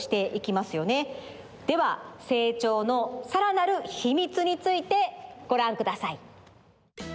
では成長のさらなるヒミツについてごらんください。